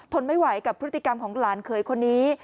ทนไม่ไหวกับพฤติกรรมของหลานเขยคนนี้